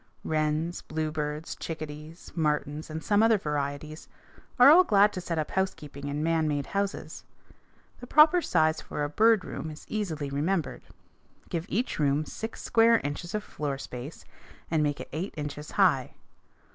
Wrens, bluebirds, chickadees, martins, and some other varieties are all glad to set up housekeeping in man made houses. The proper size for a bird room is easily remembered. Give each room six square inches of floor space and make it eight inches high.